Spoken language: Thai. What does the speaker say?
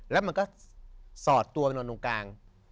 แล้วมันก็สอดตัวไปนอนตรงกลาง